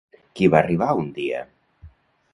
Qui va arribar un dia?